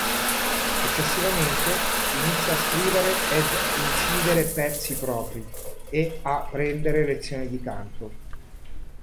Successivamente inizia a scrivere ed incidere pezzi propri e a prendere lezioni di canto.